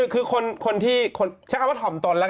คือคนที่ชะคับว่าถอมตนนะคะ